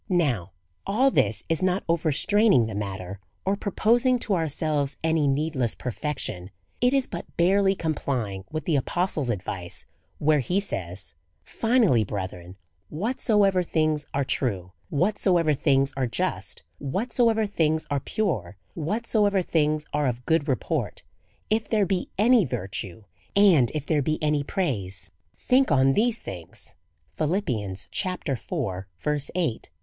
Now, all this is not overstraining the matter, or proposing to ourselves any needless perfection. It is but barely complying with the apostle's advice, where he says. Finally, brethren, whatsoever things are true, zi)hatsoever things are just, whatsoever things are pure, whatsoever things are of good report; ij there be any virtue, and if there he any praise, think on E 4 56 A SERIOUS CALL TO A these things. Phil. iv. 8.